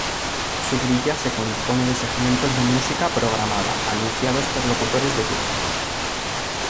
Su grilla se compone de segmentos de música programada, anunciados por locutores de turno.